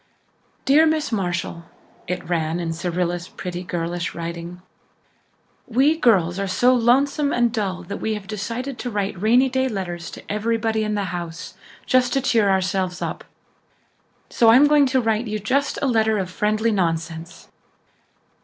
"Dear Miss Marshall," it ran in Cyrilla's pretty girlish writing, "we girls are so lonesome and dull that we have decided to write rainy day letters to everybody in the house just to cheer ourselves up. So I'm going to write to you just a letter of friendly nonsense."